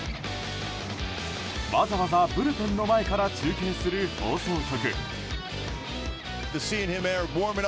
わざわざブルペンの前から中継する放送局。